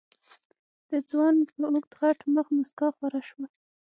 د ځوان په اوږد غټ مخ موسکا خوره شوه.